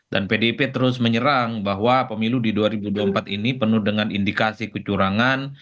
dan pdip terus menyerang bahwa pemilu di dua ribu dua puluh empat ini penuh dengan indikasi kecurangan